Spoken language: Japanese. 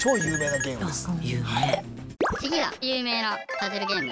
次は有名なパズルゲーム。